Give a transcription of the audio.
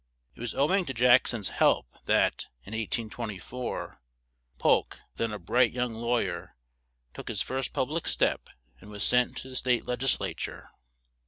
It was ow ing to Jack son's help that, in 1824, Polk, then a bright young law yer, took his first pub lic step and was sent to the state leg is la ture.